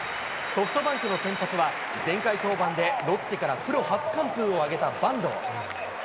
ソフトバンクの先発は、前回登板でロッテからプロ初完封を挙げた板東。